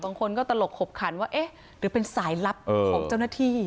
บางคนก็ตลกขบขันว่าเอ๊ะหรือเป็นสายลับของเจ้าหน้าที่